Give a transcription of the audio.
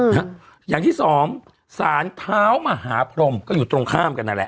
นะฮะอย่างที่สองสารเท้ามหาพรมก็อยู่ตรงข้ามกันนั่นแหละ